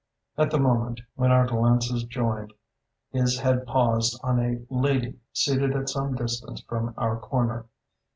At the moment when our glances joined, his had paused on a lady seated at some distance from our corner.